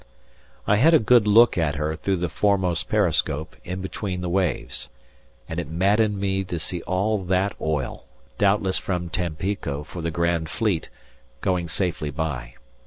I had a good look at her through the foremost periscope in between the waves, and it maddened me to see all that oil, doubtless from Tampico for the Grand Fleet, going safely by.